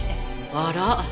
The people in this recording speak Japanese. あら？